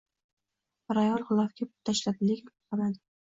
Bir ayol gʻilofga pul tashladi, lekin toʻxtamadi